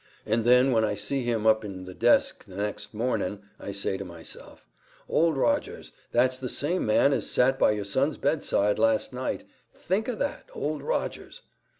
And then when I see him up in the desk the next mornin', I'd say to myself, 'Old Rogers, that's the same man as sat by your son's bedside last night. Think o' that, Old Rogers!